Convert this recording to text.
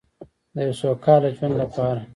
د یو سوکاله ژوند لپاره.